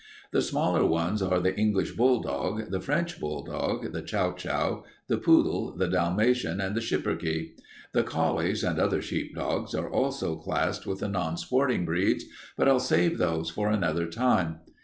The smaller ones are the English bulldog, the French bulldog, the chow chow, the poodle, the Dalmatian, and the schipperke. The collies and other sheepdogs are also classed with the non sporting breeds, but I'll save those for another time.